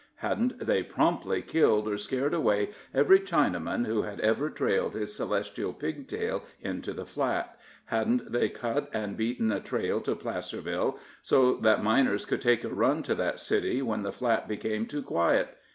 Hadn't they promptly killed or scared away every Chinaman who had ever trailed his celestial pig tail into the Flat? Hadn't they cut and beaten a trail to Placerville, so that miners could take a run to that city when the Flat became too quiet?